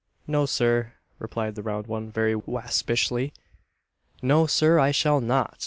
"No, Sir," replied the round one, very waspishly "no, Sir, I shall not!